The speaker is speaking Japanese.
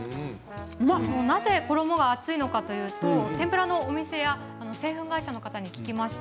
なぜ衣が厚いのかというと天ぷらの店や製粉会社に聞きました。